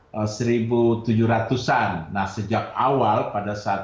nah sejak awal pada saat itu selain tentunya yang disuruh suruh untuk berhubungan dengan saya